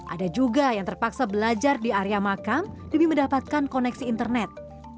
ada juga yang terpaksa belajar di area makam demi mendapatkan koneksi internet